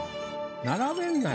並べんなよ。